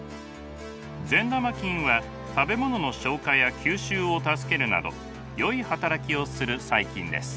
善玉菌は食べ物の消化や吸収を助けるなどよい働きをする細菌です。